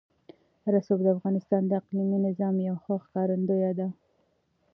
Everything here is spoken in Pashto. رسوب د افغانستان د اقلیمي نظام یوه ښه ښکارندوی ده.